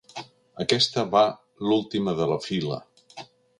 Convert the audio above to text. Aquesta va l'última de la fila.